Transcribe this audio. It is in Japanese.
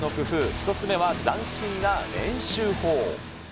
１つ目は斬新な練習法。